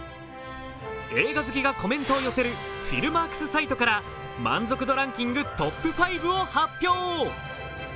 映画好きがコメントを寄せるフィルマークスサイトから満足度ランキングトップ５を発表。